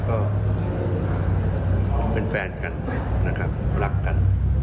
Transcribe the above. ก็เป็นแฟนกันนะครับรักกัน